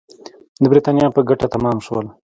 د برېټانیا په ګټه تمام شول.